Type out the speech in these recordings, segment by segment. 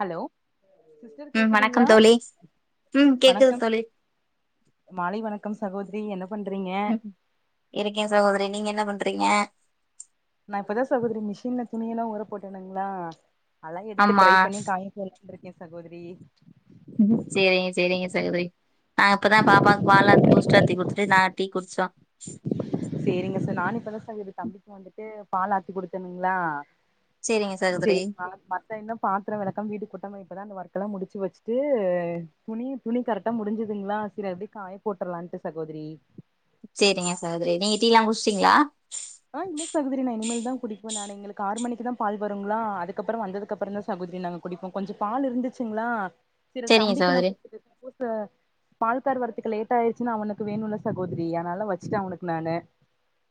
Hello sister ம் வணக்கம் கேக்குதுங்களா தோழி ம் கேக்குது வணக்கம் தோழி மாலை வணக்கம் சகோ ரீங்கன்னத் உஹம் இருக்கே சகோதிரி நீங்க என்ன பன்றி த்தீங்க நா இப்பதா சகோதரி மிஷின்ல துணியல்லா ஊற போட்டேனுங்களா அலை எடுத்து ஆமா ட்ரை பண்ணி காய போ வந்துருக்கே சகோதிரி சேரிங் சேரிங சகோதிரி ஆ இப்பதா பாப்பாக் பாலத்தி பூஸ்டாத்தி குடுத்துட்டு நாங் டீ குடிச்சோ சேரிங்க சார் நானு இப்பதா சார் இது தம்பிக் வந்துட்டு பாலாத்தி குடுத்தேணுங்களா சேரிங்க சகோதரி சேர் பார் மத்த இன்ன பாத்திர விளக்காம் வீட்டு கூட்டம இப்பதா அந்த ஒர்க் அலா முடிச்சு வெச்சுட்டு துணி துணி கரெக்டா முடிஞ்சதுங்களா செரி அப்டியே காய போட்டுலான்ட்டு சகோதிரி சேரிங்க சகோதரி நீங் டீ எல்லா குடிச்சிட்டீங்களா இப்ப நான் எங்களுக்கு ஆறு மணிக்கு தா பால் வருங்களா அதுக்கப்புறம் வந்ததுக்குப்புறம் தா சகோதரி நாங்க குடிப்போ கொஞ்சு பால் இருந்துச்சுங்களா சேர் சேரிங்க தம்பிக்கு நா சகோதரி கொடுத்துட்டே புதுச பால்கார் வரதுக்கு லேட் ஆயிச்சுனா அவுனுக்கு வேணுன்ல சகோதிரி அதனால வெச்சுட்டு அவுனுக்கு நானு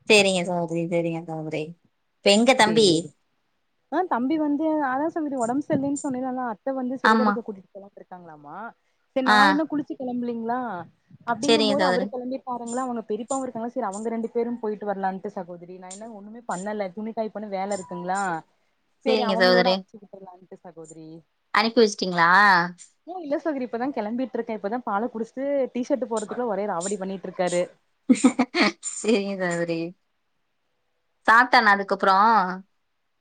சேரிங்க சகோதரி சேரிங்க சகோதரி இப்ப எங்க தம்பி செய்வது ஆ தம்பி வந்து அதா சகோதரி ஒடம்பு சரியில்லன் சொன்னீங்கலாப் ட்ட வந்து ஆமா சிறுகடிக்க கூட்டுட் போல்லான்ட்ருக்காங்களாமா சேர் ஆ நா இன்னு குளிச்சு கிளம்பலிங் ல்லா அப்டிங்கும் சேரிங்க போது சகோதரி அவரு கிளம்பி பாருங்களா அவுங்க பெரிப் பாவு இருக்காங்கள சேரி அவுங்க ரெண்டு பேரும் போயிட்டு வரலான்னு சகோதிரி நா இன்னு ஒண்ணுமே பண்ணல துணிப் காய் பண்ணி வேல இருக் ட்டீங்களா சேரி சேரிங்க அவுங்ளோட சகோதரி அனுப்பிச்சு விட்ரலான் சகோதிரி அனுப்பி வெச்சுட்டீங்களா இல்ல சகோதரி இப்பதா கிளம்பிட்டு இருக்கே இப்பதா பால குடிச்சிட்டு டீ ஷர்ட் போறதுக்குள்ள ஒரே ரவடி பண்ணிட் ட்ருக்காரு சேரிங்க சகோதிரி சாப்பிட்டான அதுக்கப்புறோ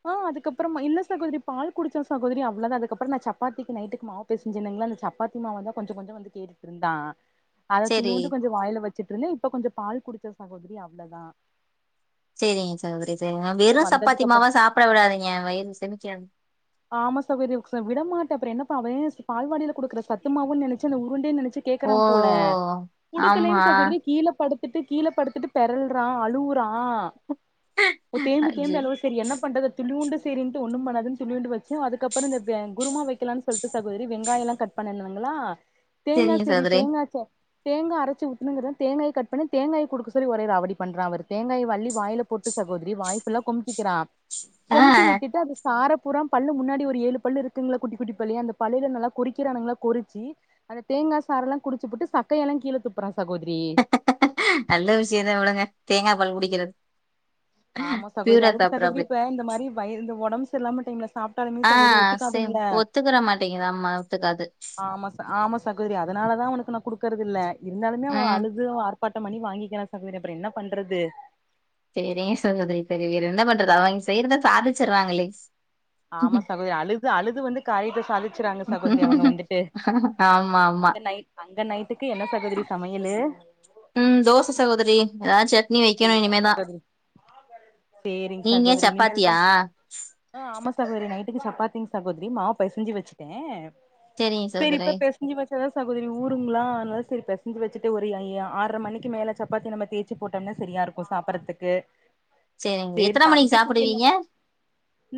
ஓ அதுக்கப்புறம் இல்ல சகோதிரி பால் குடிச்சா சகோதிரி அவ்ளோதா அதுக்கப்புற நா சப்பாத்திக்கு நைட்டுக்கு மாவு பேசுஞ்சேன்னுங்களா அந்த சப்பாத்தி மாவு தா கொஞ்ச கொஞ்ச வந்து கேட்டுட்ருந்தா அத சேரி இத்தூனுட்டு கொஞ்ச வாயில வெச் வச்சிட்டு இருந்தே இப்ப கொஞ்ச பால் குடிச்ச சகோதரி அவ்ளதா சேரிங்க சகோதரி சேரி‌ங்க வெறு சப்பாத்தி வந்ததுக்கப்புற மாவா சாப்ப சாப்ட விடாதீங்க வயிறு செமிக்காது ஆமா சகோதரி விட மாட்டே அப்ற என்னப்பா அவன் பால்வாடில குடுக்குற சத்துமாவுனு நெனச்சு அந்த உருண்டேனு நெனச்சு ஓ கேக்குறா போல ஆமா குடுக்கலன்னு சகோதரி கீழ படுத்த விட்டு கீழ படுத்துட்டு பெரல்றா அழுவுறா ஓ தேம்பி ஐயோ தேம்பி அழுவுறா சரி என்ன பண்றது துழியூண்டு சேரிண்டு ஒன்னு பண்ணாதுன்னு துலியூண்டு வச்சு அதுக்கப்புற இந்த குருமா வெக்கலானு சொல்டு சகோதரி வெங்காயெல்லா கட் பண்ணணு ங்களா தேங்கா சேரிங்க சரி சகோதரி தேங்காச்சா தேங்கா அரச்சு ஊத்தணுங்குறே தேங்காய கட் பண்ணி தேங்காய குடுக்க சொல்லி ஒரே ராவடி பண்றா அவரு தேங்கா அள்ளி வாய்ல போட்டு சகோதரி வாய் ஃபுல்லா குமுகுக்கிறா ஆ கும்கி விட்டுட்டு அது சார அ பூரா பல்லு முன்னாடி ஒரு ஏழு பல்லு இருக்குங்ளா குட்டி குட்டி பல்லு அந்த பல்லுல நல்லா கொறிக்கிறானுங்கலா கொரிச்சு அந்த தேங்கா சாரெல்லா குடுச்சுபுட்டு சக்கய எல்லா கீழ துப்புறா சகோதரி நல்ல விஷய தா விடுங்க தேங்கா பால் குடி இருக்கிறது ஆமா சகோதரி அதுக்கு சகோதரி இப்ப இந்த மாரி வய இந்த ஒடம்பு சரி இல்லாம டைம்ல சாப்டாலுமே ஆ சகோதரி சேம் ஒத்துக்காதுங்ள ஒத்துக்கிற மாட்டேங்குது ஆமா ஒத்துக்காது ஆமா ஆமா சகோதரி அதனாலதா இவனுக்கு நா குடுக்றது இல்ல இருந்தாலுமே அவ ம் அழுதுருவா பண்ட மணி வாங்கிக்லா சகோதரி அப்றோ என்ன பண்றது சேரி சகோதரி சேரி வேற என்ன பண்றது அவங்க செய்றத சாதிச்சுராங்லே ஆமா சகோதரி அழுது அழுது வந்து காரியத்த சாதிச்றாங்க சகோதரி அவுங்க வந்துட்டு அங்க நைட் நைட் உம் தோச சகோதரி வைக்கணு சேரிங் இனிமேதா சகோதரி சேரிங் நீங்க சகோதரி இனிமேல் தா சப்பாத்தியா சகோதரி நைட்டுக்கு சப்பாத்திங் சகோதரி மாவு பெசஞ்சு வச்சுட்டே சேரிங்க சரி சகோதரி இப்ப பெசஞ்சு வச்சாதா சகோதரி ஊருங்களா அதனால சரி பெசஞ் பெசஞ்சு வச்சுட்டு ஒரு ஆறர மணிக்கு மேல சப்பாத்தி நாம தேச்சு போட்டு ட்டோம்னா சரியா இருக்கு சாப்றதுக்கு சேரிங்க சேரி எத்தன மணிக்கு தம்பிக்கு ச சாப்புடுவீங்க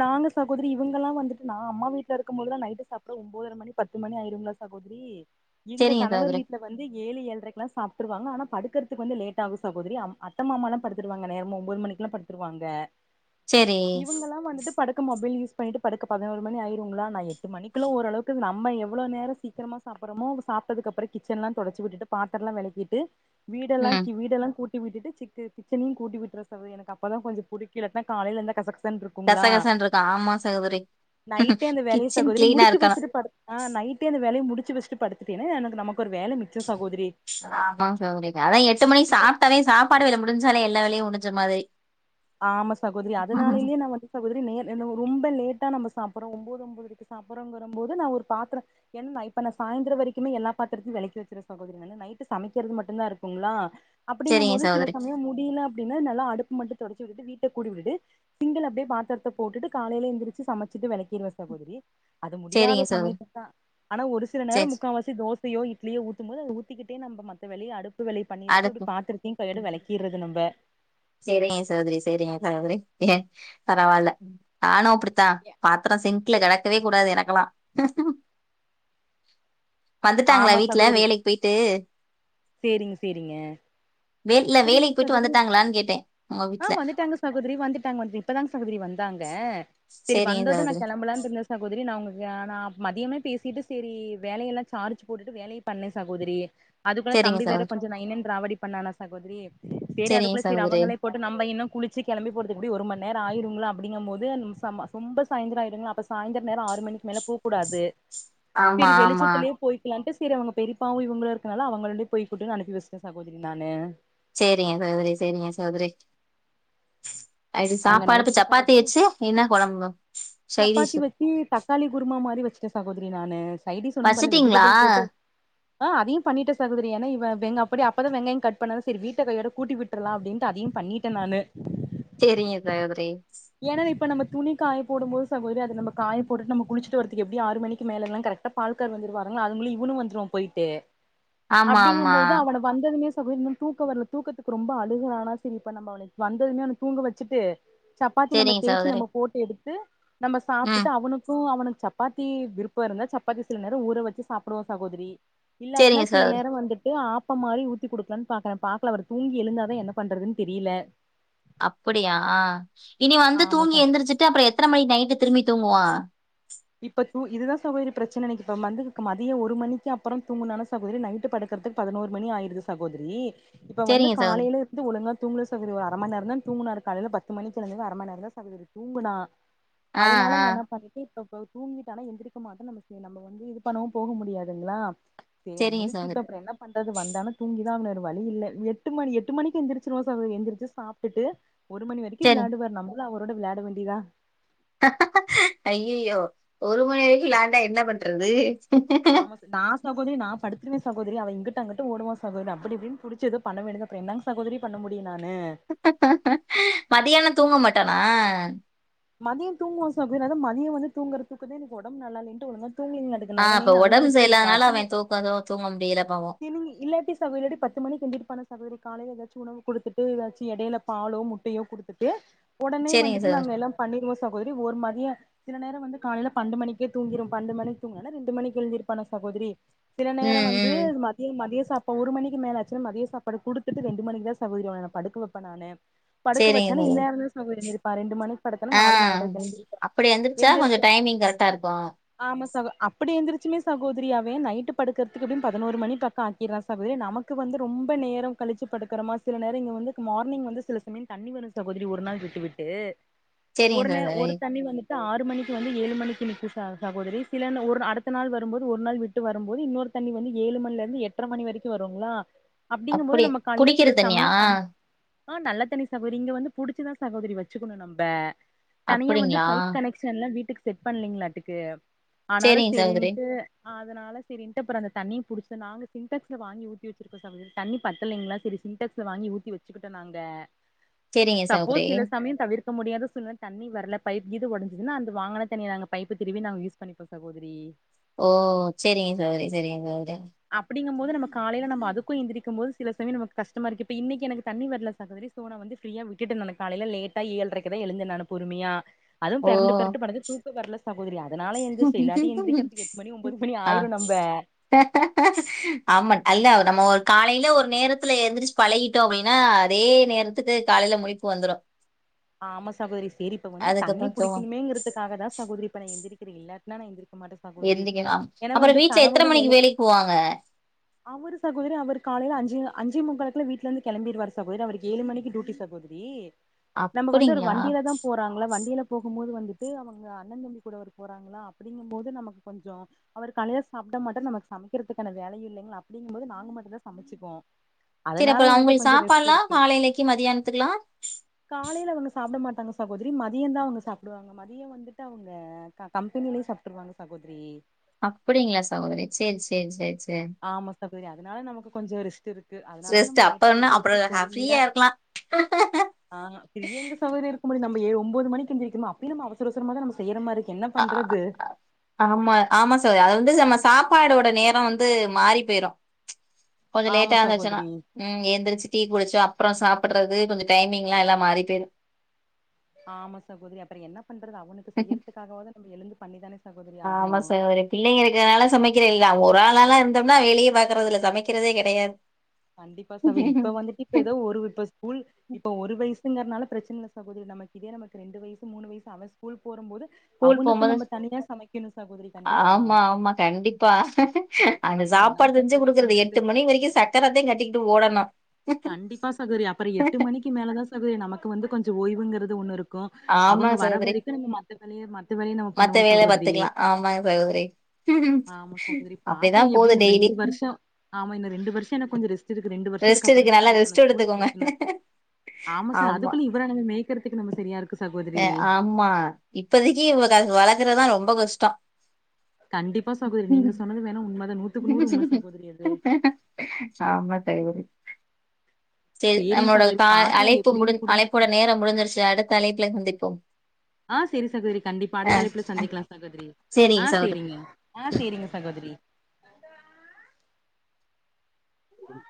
நாங்க சகோதிரி இவுங்க எல்லா வந்து நா அம்மா வீட்ல இருக்கு போதுதா நைட்டு சாப்ட ஒம்பதர மணி பத்து மணி ஆயிரும்ள சகோதரி எங்க சேரிங்க கணவர் சகோதரி வீட்ல வந்து ஏழு ஏழ்ரைக்லா சாப்ருவாங்க ஆனா படுக்குறதுக்கு கொஞ்ச லேட்டாகு சகோ போதிரி அத்த மாமலா படுத்துருவாங்க நேரம் ஒம்பது மணிக்குல்லா படுத்துருவாங்க சேரி இவங்கலா வந்துட்டு படுக்க மொபைல் யூஸ் பண்ணிட்டு படுக்க பதினோரு மணி ஆயிரும்ங்களா நா எட்டு மணிக்குள் ஒரளவுக்கு நம்ம எவ்ளோ நேரோ சீக்கிரமா சாப்டுறோமோ சாப்பிட்டதுக்கு அப்புற கிச்சன்ல்லா தொடச்சி விட்டுட்டு பாத்திரலா வெலகிட்டு வீடெல்லா ம் வீடல்லா கூட் ட்டிவிட்டுட்டு சிக் கிச்சனையு கூட்டி விட்டுரசவ எனக் அப்பதா கொஞ்சோ புடிக்கு இல்லட்னா காலைல எழுந்தா கச கச ச்சன் இருக்கும்லா கசகசன்னு இருக்கு ஆமா சகோதரி நைட்டே அந்த வேலைய கிச்சன் சகோதரி கிளீனா இருக்கணு முடிச்சுவச்சுட் படுத்தா நைட்டே அந்த வேலைய முடிச் ச்சிவச்ட்டு படுத்துட்டேனா எனக்கு நமக் ஆமா சகோதரி அதா எட்டு மணி இப்ப சாப்பிட்டாவே சாப் பாட வேல முடிஞ்சாலே எல்லா வேலையு முடிஞ்ச மாதிரி ஆமா சகோதரி அதனாலயே நா வந்து சகோதரி நேர எனவோ ரொம்ப லேட்டா நம்ம சாப்பிடறோ ஒம்பது ஒம்பதரைக்கு சாப்படுறோங்கிறு போது நா ஒரு பாத்ரோ என்னா இப்ப நா சாயந்திரம் வரைக்குமே எல்லா பாத்திரத்தையு வெளக்கி வச்சுறவ சகோதரி நைட் சமைக்கிறது மட்டு தா இருக்கும்லா அப்படிங்கு சேரிங்க போது சில சகோதரி சமயோ முடில அப்டின்னா நல்லா அடுப்பு மட்டு தொடச்சி விட்டு வீட்டக்கூட்டி விட்டுட்டு சிங்கள அப்டியே பாத்தரத்த போட்டுட்டு காலைலியே எந்திரிச்சு சமைச்சிட்டு வெளக்கிருவே சகோதரி அது முடியாத சேரிங்க சகோதரி சமயத்து தா ஆனா ஒரு சில நேரோ சேரி முக்கா வாசி தோச தோசையோ இட்லியோ ஊத்து போது அத ஊத்திக்கிட்டே நம்ம மத்த வேலய அடு உப்புவிலி பண்ணிரது அப்டி அடுத்து பாத்தரத்தையு கையோடு வெளக்கிறது நம்ம செரிங்க சகோதரி செரிங்க சகோதரி ஏன் பரவால்ல நானு அப்டித் த்தா பாத்திரோ சிங் குல கெடக்கவே கூடாது எனக்கெல்லா வந்துட்டாங்களா ஆமா வீட்டுல சகோதரி வேலைக்கு பொயிட்டு சேரிங்க சேரிங்க வே இல்ல வேலைக்கு புரியலங்க பொயிட்டு சகோதரி வந்துட்டாங்களான்னு கேட் ஆ வந்துட்டாங்க சகோதரி வந்துட்டாங்க வந்து இப்பதாங் இப்போதா சகோதிரி வந்தாங்க சரி சேரிங்க வந்தது நா சகோதரி கெளம்பலாம்னு இருந்த சகோதரி நா உங் நா மதியமே பேசிட்டு செரி வேலையெல்லா சாரிச்சு போட்டுட்டு வேலைய பண்ணே சகோதரி அதுக்குள்ள சேரிங்க தம்பி சகோதரி வேற கொஞ்ச நைனே திராவடி பண்ணானா சகோதரி செரி செரிங்க அதுக்குள்ள செரி சகோதரி அவங்களே போட்டு நம்ம இன்னு குளிச்சு கெளம்பி போறதுக்கு கூடி ஒரு மணி நேரோ ஆயிரும்ளா அப்டிங்கபோது நம சம ரொம்ப சாயந்தரோ ஆயிடுங்களா அப்ப சாயந்திரோ நேரோ ஆறு மணிக்கு மேலே போ கூடாது ஆமா ஆமா லட்டுசெய்ரவங்க பெரிபாவு இவங்களு இருக்கனால அவங்களோடே போய் குடுனு அனுப்பி வச்சுட்டே சகோதரி நானு செரிங்க சகோதரி செரிங்க சகோதரி அடி அங்க சாப்பாடுக்கு நைட்டுக்கு சப்பாத்தி சகோதரி வச்சு என்ன குழம்பு சைரீஷ் இல்லசகோதிரி நானு கைடி சொன்னு பல வெஜிடபிள் போட்டு ஆ அதையு பண்ணிட்டே சகோதரி ஏன்னா இவ வெங்க அப்படி அப்பதா வெங்காய கட் பண்ணதா சரி வீட்ட கையோட கூட்டி விட்டுரலா அப்டின்ட்டு அதையு பண்ணிட்டே நானு சேரிங்க சகோதரி ஏன்னா இப்ப நம்ம துணி காய போடும் போது சகோதரி அத நம்ப காய போட்டுட்டு நம்ம குளிச்சுட்டு வரதுக்கு எப்டியு ஆறு மணிக்கி மேல எல்லா கரெக்டா பால்கார் வந்துருவாருங் அதுங்குள்ளயு இவுனு வந்துருவா போயிட்டு ஆமா ஆமா அப்டிங்கும்போது அவன வந்ததுமே சகோதரி இவனுக்கு தூக்கோ வரல தூக்கத்துக்கு ரொம்ப அழுகறானா செரி இப்ப நம்ம அவனுக்கு வந்ததுமே அவன தூங்க வச்சிட்டு சப்பாத்தி நம்ம செரிங்க தேச்சு சகோதரி நம்ம போட்டு எடுத்து நம்ம ம் சாப்ட்டுட்டு அவனுக்கு அவனு சப்பாத்தி விருப்போ இருந்தா சப்பாத்தி சில நேரோ ஊற வச்சு சாப்டுவோ சகோதரி இல்லாட்னா செரிங்க சில சகோதரி நேரோ வந்துட்டு ஆ ப்பம் மாரி ஊத்தி குடுக்கலான்னு பாக்கறே பாக்கலா அவரு தூங்கி எழுந்தாதா என்ன பண்றதுன்னு தெரியல அப்படியா ஆ இனி வந்து ஆமா தூங்கி ச எந்திரிச்சிட்டு அப்புற எத்த மணி நைட்டு திரும்பி தூங்குவா இப்ப தூ இதுதா சகோதரி பிரச்சன எனக்கு இப்போ மந்து க மதியோ ஒரு மணிக்கி அப்பறோ தூங்குனான்னா சகோதரி நைட்டு படுக்கறதுக்கு பதனோரு மணி ஆயிடுது சகோதரி இப்ப வந்து செரிங்க சகோதரி காலைல இருந்து ஒழுங்கா தூங்கல சகோதரி ஒரு அர மண் நேரந்தா தூங்குனாரு காலைல பத்து மணிக்கி எழுந்தது அர மணி நேரந்தா சகோதரி தூங்குனா ஆ அதனால ஆ நா என்ன பண்ணிட்டே இப்ப இப்ப அவுரு தூங்கிட்டான்னா எந்திரிக்க மாட்டா நம்ம சேரி நம்ம வந்து இது பண்ணவு போகவு முடியாதுங்களா சேரி அவ செரிங்க முழிக்கிட்டு சகோதரி அப்புற என்ன பண்றது வந்தான்னா தூங்கிதா ஆகணு வேற வழி இல்ல எட்டு மணி எட்டு மணிக்கி எந்திருச்சிருவா சகோதரி எந்திருச்சு சாப்ட்டுட்டு ஒரு மணி வரைக்கி செரி விளாடுவாரு நம்ப ளு அவரோட விளாட வேண்டியதா ஐயயோ ஒரு மணி வரைக்கி விளாண்டா என்ன பண்றது த்துருவே சகோதரி அவ இங்கிட்டு அங்கிட்டு ஓடுவா சகோதரி அப்டி இப்டின்னு புடிச்சத பண்ணா வேண்டியதுதா அப்றோ என்னங் சகோதரி பண்ண முடியு நானு மத்தியானோ தூங்க மாட்டா னா மதியம் தூங்குவா சகோதரி அதா மதியோ வந்து தூங்கறதுக்குதா எனக்கு ஒடம்பு நல்லா இல்லைன்ட்டு ஒழுங்கா தூங்கலீங்களாட்டுக்கு ஆ நய அப்ப நயன்னு ஒடம்பு அழுதுகிட்டே சரியில்லாதனால அவே தூக்க அதோ தூங்க முடியல பாவோ சினிங்கி இல்லாட்டி சகோதடு பத்து மணிக்கி எந்திரிப்பானா சகோதரி காலைல எதாச்சு உணவு குடுத்துட்டு எதாச்சி எடையில பாலோ முட்டையோ குடுத்துட்டு உடனே சரிங்க வந்துட்டு சகோதர். நாங்க எல்லா பண்ணிருவோ சகோதரி ஒரு மதிய சில நேரோ வந்து காலைல பண்டு மணிக்கே தூங்கிரு பண்டு மணிக்கி தூங்குனானா ரெண்டு மணிக்கி எழுந்திருப்பானா சகோதரி சில நேரோ ம், வந்து ம். இது மதிய சாப்பா ஒரு மணிக்கி மேல ஆச்சுனா மதிய சாப்பாடு குடுத்துட்டு ரெண்டு மணிக்கிதா சகோதரி இவன நா படுக்க வப்பே நானு படுக்க சரிங்க வச்சன்ன சகோதரி. இன்னநேரம்தா சகோதரி இரு பரெண்டு மணி ஆ அப்பிடி எந்தருச்சா எந்திரிச்சு கொஞ்ச டைமிங் கரெக்டா இருக்கு ச்மே கோதரி அவே நைட்டு படுக்கிறதுக்கு இப்பிடியு பத் பதனொரு மணி பக்க ஆக்கடுறான் சகோதரி நமக்கு வந்து ரொம்ப நேரம் கழிச்சி படுக்கறமா சில நேரம் இங்க வந்து மார்னிங் வந்து சில சமயம் தண்ணி வரும் சகோதரி ஒரு நாள் விட்டுவிட்டு சரிங்க ஒருனே சகோதரி. ஒரு தண்ணி வந் த்த ஆறு மணிக்கு வந்து ஏழு மணிக்கு நிக்கு சகோதரி சிலனு ஒரு அடுத்த நாள் வரும்போது ஒரு நாள் விட்டு வரும்போது இன்னொரு தண்ணி வந்து ஏழு மணில இருந்து எட்ரை மணி வரிக்கு வருங்களா அப்பிடிங்கு போது அப்படியா நம்ம கால்ல குடிக்கிற சில தண்ணியா? சமயம் த ஆ நல்ல தண்ணி சகோதரி இங்க வந்து புடிச்சிதா சகோதரி வச்சுக்கணு நம்ம தனியா வந்து அப்படிங்களா? பைப் கனெக்ஷன்ல்ல வீட்டுக்கு செட் பண்ணலீங்களாட்டுக்கு ஆனாலு சரிங்க சகோதரி, சேரின்ட்டு ஆதனால சேரின்ட்டு அப்புறம் அந்த தண்ணி புடிச்ச நாங்க சின்டெக்ஸ்ல வாங்கி ஊத்தி வச்சிருக்கோ சகோதரி தண்ணி பத்தலைங்களா சேரி சின்டெக்ஸ்ல வாங்கி ஊத்தி வச்சுக்கிட்டோ நாங்க சரிங்க சகோதரி. சப்போஸ் சில சமயம் தவிர்க்க முடியாத சூழ்நில தண்ணி வரல பைப்கீது உடஞ்சதுன்னா அந்த வாங்கன தண்ணிய நாங்க பைப்பு திருவி நாங்க யூஸ் பண்ணிப்போ சகோதிரி ஓ சேரிங்க சகோதிரி சேரிங்க சகோதிரி ப்பிடிங்க போது நம்ம காலையில நம்ப அதுக்கு எந்திரிக்கு போது சில சமயம் நமக்கு கஷ்டமா இருக்கு இப்ப இன்னிக்கு எனக்கு தண்ணி வரல சகோதரி சோ நான் வந்து ஃப்ரியா விட்டுடேன் நானு க காலையில லேட்டா ஏழ்றைக்குதா எழுந்தேன் நானு பொறுமையா அதும் ஓ! பெரண்டு பெரண்டு படுத்து தூக்கம் வரலஸ் சகோதரி யா அதனால எந்திரிச்சு இல்லாட்டி எந்திரிக்கிறதுக்கு எட்டு மணி ஒன்பது மணி ஆ ஆயிரும் நம்ப ஆமா அல்ல நம்ம ஒரு காலையில ஒரு நேரத்துல எழுந்திரிச்சு பழகிட்டோ அப்பிடின்னா அதே நேரத்துக்கு காலையில முழிப்பு வந்துரு ஆமா சகோதரி சேரி இப்ப வந்து தண்ணி அதுக்கப்புறம் தூங்க புடிக்குனுமேங்கறதுக்காகதா சகோதரி இப்பன எந்திரிக் க்குரு இல்லாட்டுனா எந்திரி மாட்டேன் சகோதரி எந்திக்கலா ஏன்னா அப்புறோ வந்து வீட்ல எத்தன கணவரு மணிக்கு வேலைக் வேலைக்கு போவாங்க அவரு சகோதரி அவரு காலையில அஞ்சி அஞ்சே முக்காலுக்கெல்லா வீ்ட்ல இருந்து கிளம்பிடுவார் சகோதரி அவரு ஏழு மணிக்கு டியூட்டி சகோதரி நம்ம வந்து ஒரு அப்படிங்களா வண்டியிலதா போறாங்கள வண்டியில போகும்போது வந்துட்டு அவங்க அண்ணன் தம்பி கூட அவரு போறாங்களா அப்பிடிங்கும் போது நமக்கு கொஞ்சோ அவர் காலையில சாப்ட மாட்டாரு நமக்கு சமைக்கிறதுக்கான வேலையு இல்லைங்களா அப்பிடிங்கும்போது நாங்க மட்டு தா சமைச்சிப்போ சேரி அப்ப அவுங்களு சாப்பாலா காலையிலக்கு மதியானத்துக்கலா காலையில ஒன்னு சாப் சாப்பட மாட்டாங்க சகோதரி மதியம் தான் அவுங்க சாப்பிடுவாங்க மதியம் வந்துட்டு அவங்க கா கம்பெனிலேயே சாப்புட்டுகுவாங்க சகோதரி அப்பிடிங்களா சகோதரி சேரி சேரி சேரி சேரி ஆமா சகோதரி அதுனால நமக்கு கொஞ்சொ ரெஸ்ட் இருக்கு அதுனாலதா ரெஸ்ட் நம்ம லேட்டா அப்பன்னா அப்புறோ எந்திருச்சு பொறுமையா ஃப்ரீயா இருக்கலா ஆ ஃப்ரியா எங்க சகோதரி இரு க்கம்போது நம்ப ஏ ஒம்போது மணிக்கு எந்திருக்கமா அப்பயு நம்ம அவசர அவசரமா தா நம்ம செய்யுற மாரி என்ன ஆ பண்றது ஆமா ஆமா சகோதரி அது வ ந்து நம்ம சாப்பாடோட நேரொ வந்து மாறி போயிரு கொஞ்ச ஆமா லேட்டா எந்துச்சன்னா சகோதரி ம் எந்திரிச்சு டீ குடுச்சு அ ப்றொ சாப்புட்றது கொஞ்ச டைமிங்லா எல்லா மாறி போயிரு ஆமா சகோதரி அப்பற என்ன பண்றது அவனுக்கு செய்யற்துக்காகவாது நம்ம எழுந்து பண்ணிதானே சகோதரி ஆமா ஆகணு சகோதரி பிள்ளைங்க இருக்கனால சமைக்கிறே இல்ல நா ஒரு ஆ ரு ஆளா இருந்தம்னா வேலயே பாக்குறதுல்ல சமக்கிறதே கெடயாது கண்டிப்பா சகோதரி இப்ப வந்துட்டு இப்ப எதோ ஒரு இப்ப ஸ்கூல் இப்ப ஒரு வயசுங்கற்னால பிரச்சன இல்ல சகோதரி நமக்கு இதே நமக்கு ரெண்டு வயசு மூணு வயசு அவெ ஸ்கூல் போறம்போது ஸ்கூல் அவனுக்கு போம்போது நம்ம தனியா சமைக்கணு சகோதரி கண்டிப்பா ஆமா ஆமா கண்டிப்பா அந்த அப்புறம் என்னங்க சாப்பாடு செஞ்சு சகோதரி குடுக்கறது பண்றது எட்டு மணி வரக்கு சக்கரத்தே கட்டிகி ட்டு ஓடணு கண்டிப்பா சகோதரி அப்பற எட்டு மணிக்கு மேலதா சகோதரி நமக்கு வந்து கொஞ் ச ஓய்வுங்கிறது ஒன்னு இரு க்கு அவுங்க ஆமாங்க வர சகோதரி. வரைக்கு நம்ம மத்த வேலைய மத்த வேலைய நம்ம மத்த பண்ணுவோ வேல சகோதரி பாத்துக்கலாம். ஆமாங்க சகோதரி. ஆமா சகோதரி பாக்கலா அப்படிதான் போது எப்டின்னு டெய்லி. ரெண்டு வருஷொ ஆமா இன்னு ரெண்டு வருஷ எனக்கொஞ்ச ரெஸ் ட்டிருக்கு ரெண்டு வருஷத்துக்கு அப் க்கு நல்லா ரெஸ்ட் எடுத்துக்கோங்க சார் ஆமா அதுக்குள்ள இவர நம்ம மேய்கறதுக்கு நம்ம சரியா இருக்கு எ சகோதரி ஆமா இப்பதக்கி இவுங்க கா வளக்கறதா ரொம்ப கஷ்டொ கண்டிப்பா சகோதரி நீங்க சொன்னது வேண உண்மதா நூத்துக்கு நூறு உண்ம சகோதரி அது சேரி சேரிங்க சகோதரி பாக்கலா எப்பிடீன் முடிஞ் குடும்பத்த அழைப்போட நேரம் முடிஞ்சிருச்சு. அடுத்த அழைப்புல சந்திப்போம். ஆ சேரி சகோதரி கண்டிப்பா ஆ அடுத்த அழைப்புல சந்திக்லா சகோதரி ஆ சரிங்க சகோதரி. சேரிங்க ஆ சேரிங்க சகோதரி உஹம்